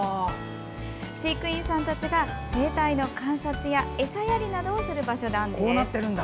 飼育員さんたちが生態の観察や餌やりなどをする場所なんです。